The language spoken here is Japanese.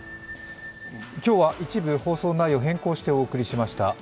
今日は一部、放送内容を変更してお送りしました。